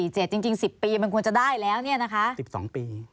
จริง๑๐ปีมันควรจะได้แล้ว๑๒ปี